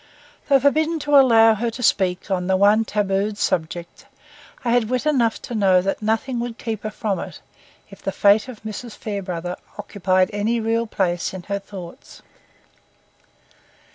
Though forbidden to allow her to speak on the one tabooed subject, I had wit enough to know that nothing would keep her from it, if the fate of Mrs. Fairbrother occupied any real place in her thoughts.